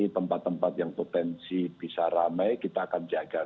tempat tempat yang potensi bisa ramai kita akan jaga